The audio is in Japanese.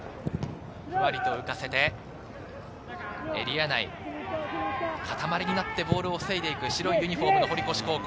ふわりと浮かせてエリア内、塊になってボールを防いで行く白いユニホーム堀越高校。